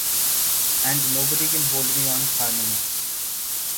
And nobody can hold me on harmony.